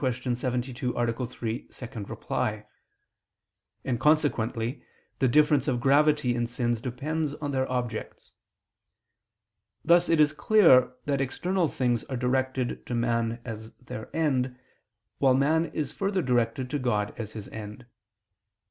72, A. 3, ad 2); and consequently the difference of gravity in sins depends on their objects. Thus it is clear that external things are directed to man as their end, while man is further directed to God as his end.